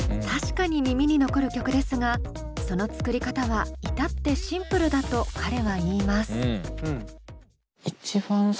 確かに耳に残る曲ですがその作り方は至ってシンプルだと彼は言います。